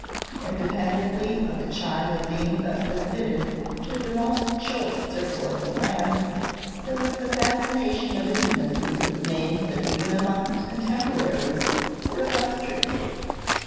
Independently of the charm of being thus admitted to the most choice circle of the land, there was the fascination of intimacy with names that even amongst contemporaries were illustrious.